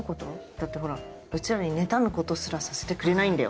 だってほらうちらに妬むことすらさせてくれないんだよ。